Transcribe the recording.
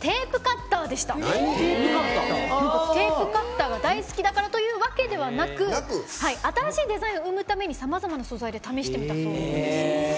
テープカッターが大好きだからというわけではなく新しいデザインを生むためにさまざまな素材で試してみたそうなんです。